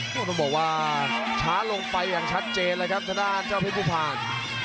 ต้องบอกว่าช้าลงไปอย่างชัดเจนเลยครับทางด้านเจ้าเพชรผู้ผ่าน